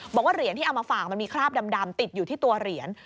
บอกว่าเหรียญที่เอามาฝากมันมีคราบดำติดอยู่ที่ตัวเหรียญ